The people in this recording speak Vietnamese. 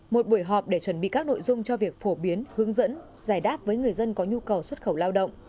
một buổi họp để chuẩn bị các nội dung cho việc phổ biến hướng dẫn giải đáp với người dân có nhu cầu xuất khẩu lao động